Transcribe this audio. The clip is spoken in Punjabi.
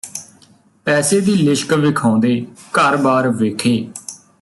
ਪੈਸੇ ਦੀ ਲਿਸ਼ਕ ਵਿਖਾਉਂਦੇ ਘਰ ਬਾਰ ਵੇਖੇ